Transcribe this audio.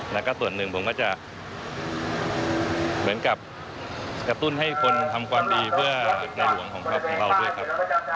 แล้วก็ส่วนหนึ่งผมก็จะเหมือนกับกระตุ้นให้คนทำความดีเพื่อในหลวงของเราด้วยครับ